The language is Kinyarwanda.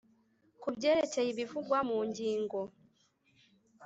ku byerekeye ibivugwa mu ngingo